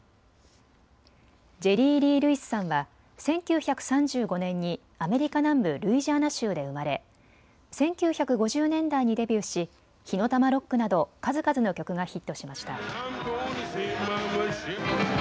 ジェリー・リー・ルイスさんは１９３５年にアメリカ南部ルイジアナ州で生まれ１９５０年代にデビューし火の玉ロックなど数々の曲がヒットしました。